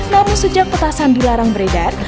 namun sejak petasan dilarang beredar